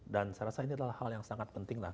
dan saya rasa ini adalah hal yang sangat penting lah